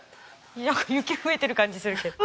なんか雪増えてる感じするけど。